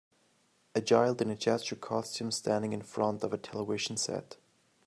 A child in a jester costume standing in front of a television set.